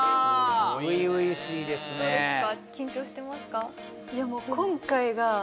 初々しいですねいいね！